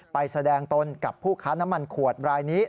ไปแสดงตนกับผู้ค้าน้ำมันขวดรายนี้